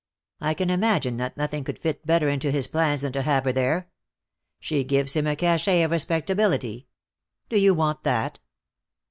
I can imagine that nothing could fit better into his plans than to have her there. She gives him a cachet of respectability. Do you want that?"